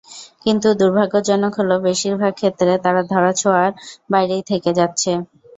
কিন্তু দুর্ভাগ্যজনক হলো, বেশির ভাগ ক্ষেত্রে তারা ধরাছোঁয়ার বাইরেই থেকে যাচ্ছে।